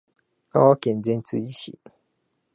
香川県善通寺市